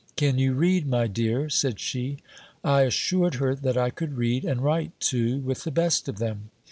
Can you read, my dear? said she. I assured her that I could read, and write too, with the best of them.